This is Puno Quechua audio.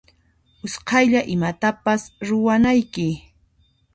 Usqaylla imatapis ruwanayki.